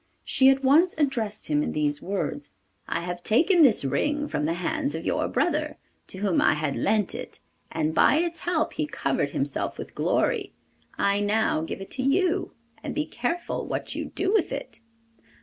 She at once addressed him in these words: 'I have taken this ring from the hands of your brother, to whom I had lent it, and by its help he covered himself with glory. I now give it to you, and be careful what you do with it.